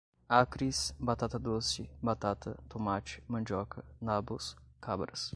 acres, batata-doce, batata, tomate, mandioca, nabos, cabras